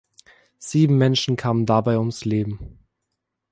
Sieben Menschen kamen dabei ums Leben.